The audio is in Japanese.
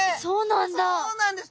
そうなんだ。